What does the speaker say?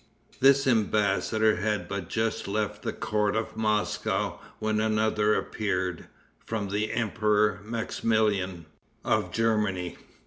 This embassador had but just left the court of Moscow when another appeared, from the Emperor Maximilian, of Germany.